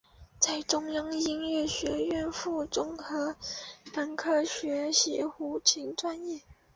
在中央音乐学院附中和本科学习胡琴专业。